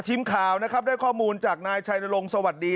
ทีมข่าวนะครับได้ข้อมูลจากนายชัยนรงค์สวัสดี